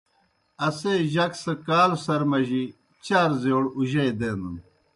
اسے جک سہ کالوْ سر مجیْ چار زِیؤڑ اُجئی دینَن۔